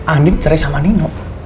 andi cerahin sama nino